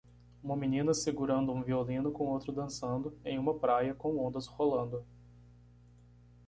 Uma menina segurando um violino com outro dançando em uma praia com ondas rolando.